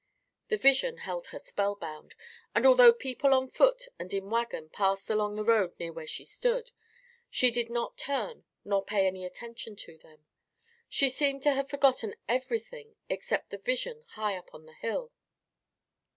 The vision held her spellbound, and although people on foot and in wagons passed along the road near where she stood, she did not turn nor pay any attention to them. She seemed to have forgotten everything except the vision high up on the hill.